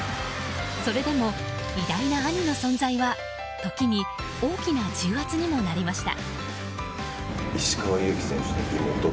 それでも偉大な兄の存在は時に、大きな重圧にもなりました。